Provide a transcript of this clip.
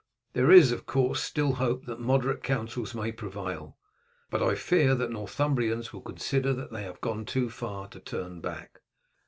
There is, of course, still hope that moderate councils may prevail, but I fear that the Northumbrians will consider that they have gone too far to turn back.